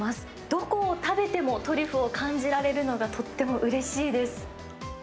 どこを食べてもトリュフを感じられるのがとってもうれしいです。